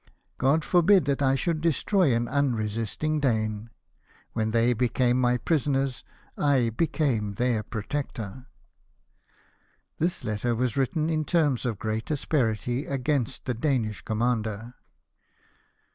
God forbid that I should destroy an un 250 LIFE OF NELSON. resisting Dane ! When they became my prisoners, I became their protector." This letter was written in terms of great asperity against the Danish commander.